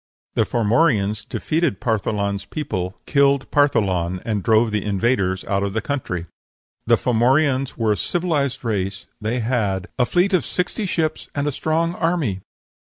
The Formorians defeated Partholan's people, killed Partholan, and drove the invaders out of the country. The Formorians were a civilized race; they had "a fleet of sixty ships and a strong army."